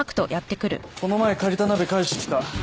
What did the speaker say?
この前借りた鍋返しにきた。